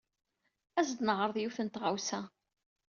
As-d ad neɛreḍ yiwet n tɣawsa.